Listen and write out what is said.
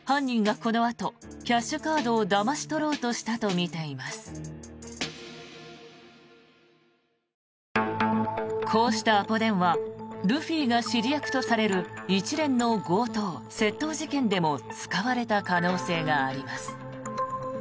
こうしたアポ電はルフィが指示役とされる一連の強盗・窃盗事件でも使われた可能性があります。